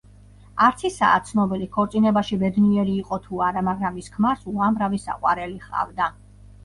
არც ისაა ცნობილი, ქორწინებაში ბედნიერი იყო თუ არა, მაგრამ მის ქმარს უამრავი საყვარელი ჰყავდა.